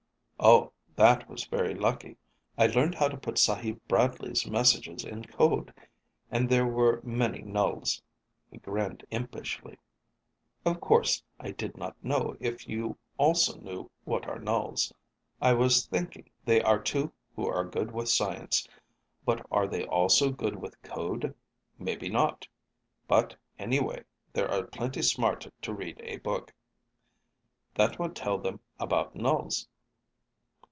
"Oh, that was very lucky. I learned how to put Sahib Bradley's messages in code, and there were many nulls." He grinned impishly. "Of course I did not know if you also knew what are nulls. I was thinking, they are two who are good with science. But are they also good with code? Maybe not. But, anyway, they are plenty smart to read a book. That will tell them about nulls."